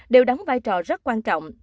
đều đắn vai trò rất quan trọng